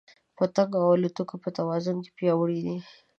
پتنګ او الوتونکي په توازن کې پیاوړي دي.